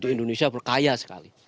indonesia berkaya sekali